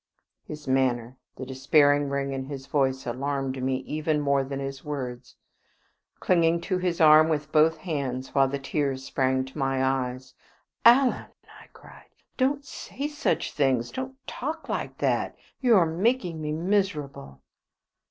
His manner, the despairing ring in his voice, alarmed me even more than his words. Clinging to his arm with both hands, while the tears sprang to my eyes "Alan," I cried, "don't say such things, don't talk like that. You are making me miserable."